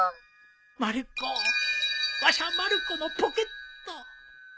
まる子わしゃまる子のポケットポケットじゃ。